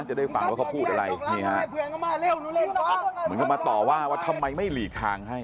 จะได้ฟังว่าเขาพูดอะไรมันก็มาต่อว่าทำไมไม่หลีกทางให้